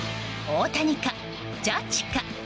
大谷かジャッジか。